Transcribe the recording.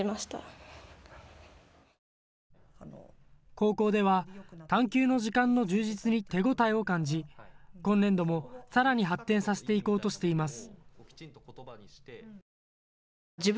高校では探究の時間の充実に手応えを感じ、今年度もさらに発展させていこうとしています。